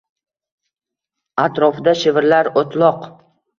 Atrofida shivirlar o’tloq.